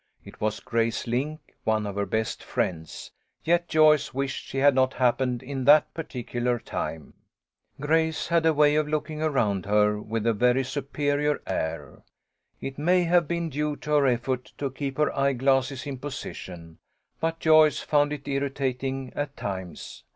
It was Grace Link, one of her best friends, yet Joyce wished she had not happened in at that particular time. Grace had a way of looking around her with a very superior air. It may have been due to her effort to keep her eye glasses in position, but Joyce found it irritating at times.